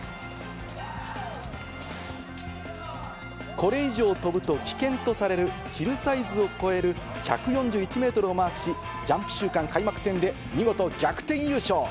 これ以上跳ぶと危険とされるヒルサイズを超える１４１メートルをマークし、ジャンプ週間開幕戦で見事、逆転優勝。